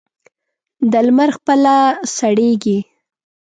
د لمر خپله سړېږي.